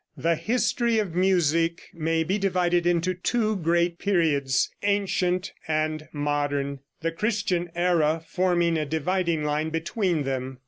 The history of music may be divided into two great periods Ancient and Modern the Christian era forming a dividing line between them.